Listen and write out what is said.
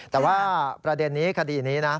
แต่ว่าประเด็นนี้คดีนี้นะ